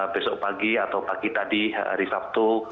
besok pagi atau pagi tadi hari sabtu